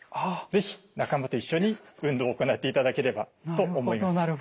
是非仲間と一緒に運動を行っていただければと思います。